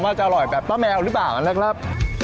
จะอร่อยแบบป้าแมวหรือเปล่านะครับ